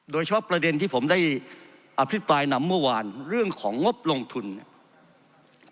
โดยเฉพาะประเด็นที่ผมได้อภิปรายนำเมื่อวานเรื่องของงบลงทุนเนี่ย